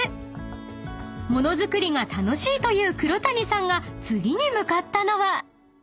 ［物作りが楽しいという黒谷さんが次に向かったのは］